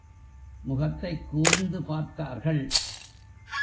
முகத்தைக் கூர்ந்து பார்த்தார்கள்.